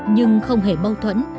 nhưng không hề mâu thuẫn